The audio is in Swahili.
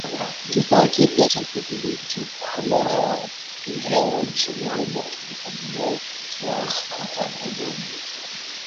Kifaa kipya cha kudhibiti ubora wa hewa nchini humo kimefadhiliwa kwa kiasi na kampuni ya Gugo